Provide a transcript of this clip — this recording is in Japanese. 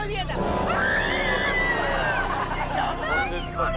これ！